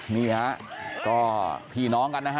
นี่ก็พี่น้องกันนะครับ